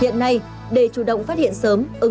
hiện nay để chủ động phát hiện sớm